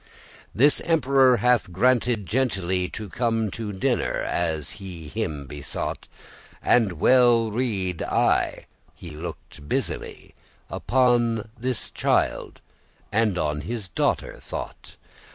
This emperor hath granted gentilly To come to dinner, as he him besought: And well rede* I, he looked busily *guess, know Upon this child, and on his daughter thought.